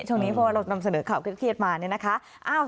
ช่วงนี้เพราะว่าเรานำเสนอข่าวเครียดมาเนี่ยนะคะ